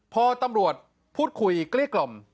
พอตำรวจพูดคุยเกลี้ยกล่อม